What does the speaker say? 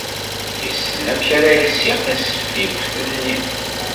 Yessen amek ara yessiɣ tasfiwt-nni.